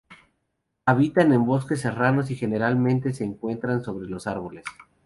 Habitan en bosques serranos y generalmente se encuentran sobre los árboles.